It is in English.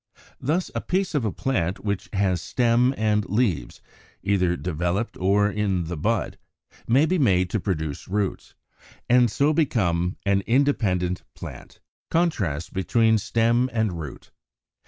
Thus, a piece of a plant which has stem and leaves, either developed or in the bud, may be made to produce roots, and so become an independent plant. 68. =Contrast between Stem and Root.